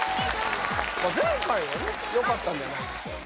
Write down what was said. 前回はねよかったんじゃないでしょうか